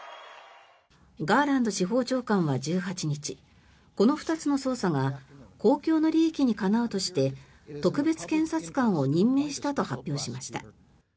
ガーランド司法長官は１８日この２つの捜査が公共の利益にかなうとして特別検察官を任命したと発表しました。